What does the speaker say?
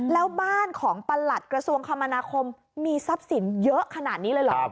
แล้วบ้านของประหลัดกระทรวงคมนาคมมีทรัพย์สินเยอะขนาดนี้เลยเหรอ